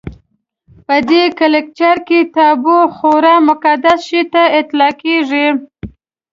په دې کلچر کې تابو خورا مقدس شي ته اطلاقېږي.